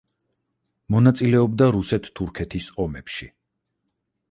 მონაწილეობდა რუსეთ-თურქეთის ომებში.